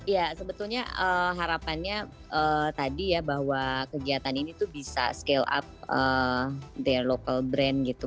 ya sebetulnya harapannya tadi ya bahwa kegiatan ini tuh bisa scale up the local brand gitu